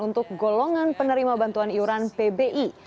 untuk golongan penerima bantuan iuran pbi